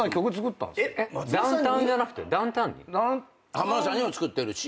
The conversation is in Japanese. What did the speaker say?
浜田さんにも作ってるし。